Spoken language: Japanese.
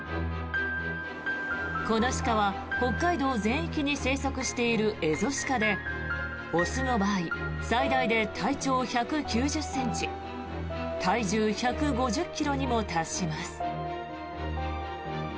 この鹿は、北海道全域に生息しているエゾシカで雄の場合、最大で体長１９０ｃｍ体重１５０ｋｇにも達します。